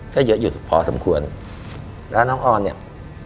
ก็เยอะอยู่พอสมควรแล้วน้องออนเนี่ย